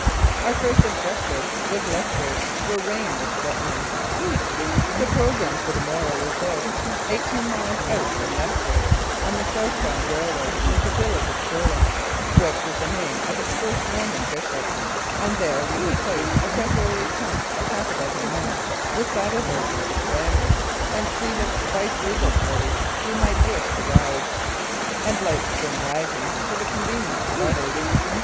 Our first objective was Lethbridge, where rain was threatening. The programme for the morrow was this : Eighteen miles out from Lethbridge on the south bound railway was the village of Stirling, which was the name of its first Mormon bishop, and there we had placed a temporary camp of half a dozen men, with saddle horses for the family and suite of the viceregal party who might wish to ride, and light spring wagons for the convenience of others.